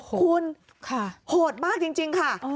คุณโหดมากจริงค่ะ